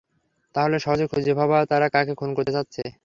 তাহলে সহজে খুঁজে পাবো তারা কাকে খুন করতে চাচ্ছে।